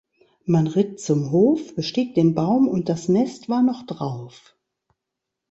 Man ritt zum Hof bestieg den Baum und das Nest war noch drauf.